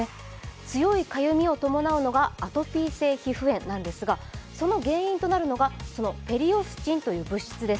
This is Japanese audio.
強いかゆみを伴うのがアトピー性皮膚炎なんですがその原因となるのがペリオスチンという物質です。